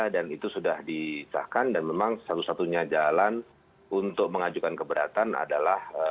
dan itu sudah dicahkan dan memang satu satunya jalan untuk mengajukan keberatan adalah